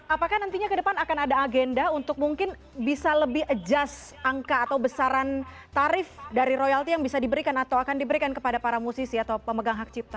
apakah nantinya ke depan akan ada agenda untuk mungkin bisa lebih adjust angka atau besaran tarif dari royalti yang bisa diberikan atau akan diberikan kepada para musisi atau pemegang hak cipta